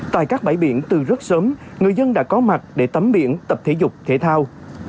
tại các bãi biển từ rất sớm người dân đã có mặt để tắm biển tập thể dục thể thao